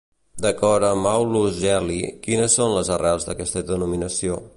D'acord amb Aulus Gel·li, quines són les arrels d'aquesta denominació?